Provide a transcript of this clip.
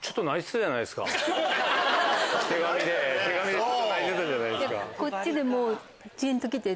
手紙で泣いてたじゃないですか。